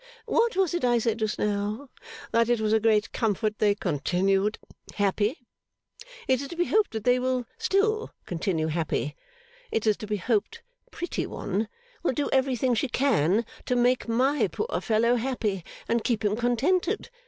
What was it I said just now? That it was a great comfort they continued happy. It is to be hoped they will still continue happy. It is to be hoped Pretty One will do everything she can to make my poor fellow happy, and keep him contented.